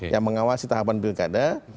yang mengawasi tahapan pilkada